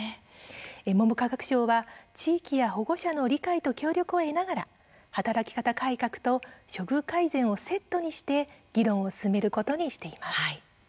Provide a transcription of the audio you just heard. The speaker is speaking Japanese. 文部科学省は地域や保護者の理解と協力を得ながら働き方改革と処遇改善をセットにして議論を進めることにしています。